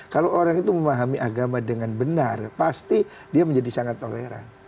kalau orang itu memahami agama dengan benar pasti dia menjadi sangat toleran